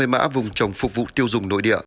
hai mươi mã vùng trồng phục vụ tiêu dùng nội địa